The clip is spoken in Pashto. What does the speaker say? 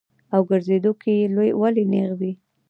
او ګرځېدو کښې ئې ولي نېغ وي -